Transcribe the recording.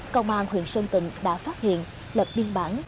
công an huyện sơn tịnh đã phát hiện lập biên bản